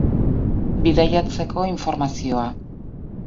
Bidaiatzeko informazioa